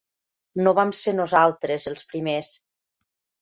No vam ser nosaltres, els primers.